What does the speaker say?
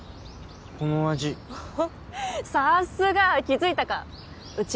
この味さすが気づいたかうち